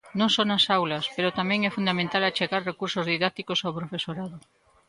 Non só nas aulas pero tamén é fundamental achegar recursos didácticos ao profesorado.